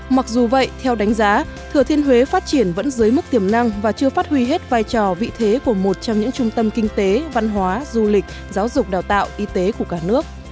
mặc dù vậy theo đánh giá thừa thiên huế phát triển vẫn dưới mức tiềm năng và chưa phát huy hết vai trò vị thế của một trong những trung tâm kinh tế văn hóa du lịch giáo dục đào tạo y tế của cả nước